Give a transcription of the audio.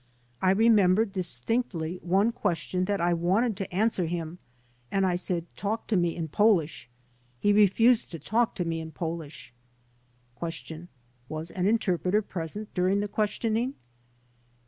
I remember distinctly one question that I wanted to answer him and I said 'talk to me in Polish.' He refused to talk to me in Polish. Q. "Was an interpreter present during the questioning?